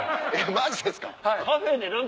マジですか？